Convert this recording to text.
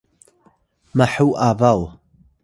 mhu abaw